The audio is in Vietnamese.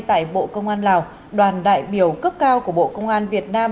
tại bộ công an lào đoàn đại biểu cấp cao của bộ công an việt nam